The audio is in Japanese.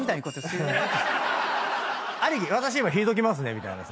「私今引いときますね」みたいな。